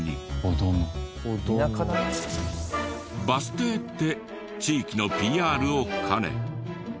バス停って地域のＰＲを兼ね。